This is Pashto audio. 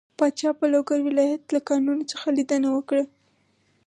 پاچا په لوګر ولايت له کانونو څخه ليدنه وکړه.